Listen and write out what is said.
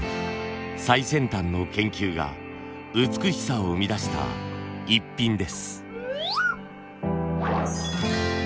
最先端の研究が美しさを生み出したイッピンです。